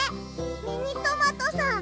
ミニトマトさん